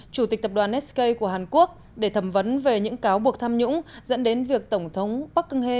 chủ tịch tập đoàn sky của hàn quốc để thẩm vấn về những cáo buộc tham nhũng dẫn đến việc tổng thống bắc kinh hez